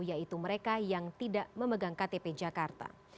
yaitu mereka yang tidak memegang ktp jakarta